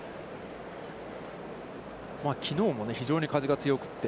きのうも非常に風が強くて。